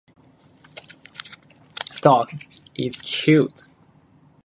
Dog is cute.